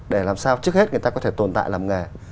để làm sao trước hết người ta có thể tồn tại làm nghề